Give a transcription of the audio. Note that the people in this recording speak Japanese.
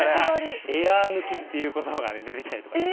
エア抜きっていう言葉が出て来たりとかして。